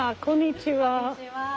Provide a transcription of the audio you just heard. こんにちは。